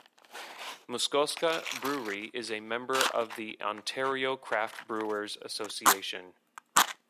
Muskoka Brewery is a member of the Ontario Craft Brewers Association.